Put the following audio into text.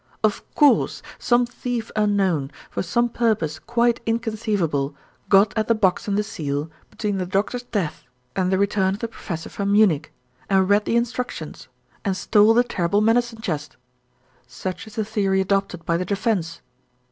Of course, some thief unknown, for some purpose quite inconceivable, got at the box and the seal, between the Doctor's death and the return of the Professor from Munich, and read the Instructions and stole the terrible medicine chest. Such is the theory adopted by the defense.